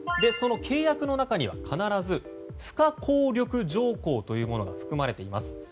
その契約の中には必ず不可抗力条項というものが含まれています。